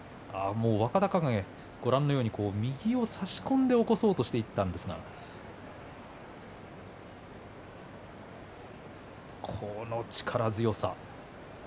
若隆景、右を差し込んで起こそうとしていったんですけれど力強さ。